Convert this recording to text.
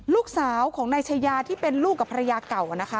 ลูกสาวของนายชายาที่เป็นลูกกับภรรยาเก่านะคะ